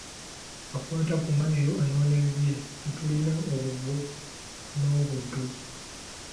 Akwata ku mayiro anoonya bibye, ffe tulina obuvo n'obuddo.